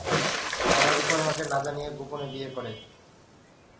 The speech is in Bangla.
তারা রুপার মাকে না জানিয়ে গোপনে বিয়ে করে।